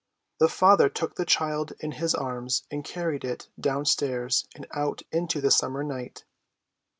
The father took the child in his arms and carried it downstairs and out into the summer night.